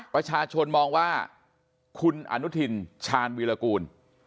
ประชาชนมองว่าคุณอนุทินชาญวีรกูล